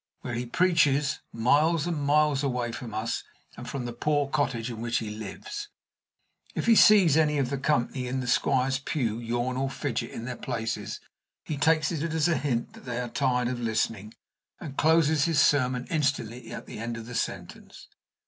Where he preaches, miles and miles away from us and from the poor cottage in which he lives, if he sees any of the company in the squire's pew yawn or fidget in their places, he takes it as a hint that they are tired of listening, and closes his sermon instantly at the end of the sentence.